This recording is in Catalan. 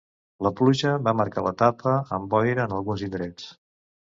La pluja va marcar l'etapa, amb boira en alguns indrets.